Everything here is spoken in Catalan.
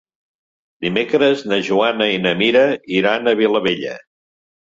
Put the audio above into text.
Dimecres na Joana i na Mira iran a Vilabella.